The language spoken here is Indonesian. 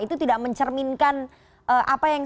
itu tidak mencerminkan apa yang